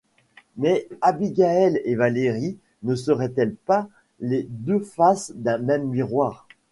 Mais Abigaël et Valérie ne seraient-elles pas les deux faces d'un même miroir?